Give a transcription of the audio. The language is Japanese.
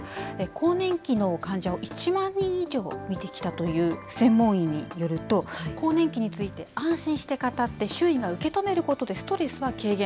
更年期の患者を１万人以上診てきたという専門医によると、更年期について安心して語って、周囲が受け止めることで、ストレスが軽減。